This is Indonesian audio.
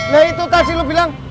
nah itu kasih lo bilang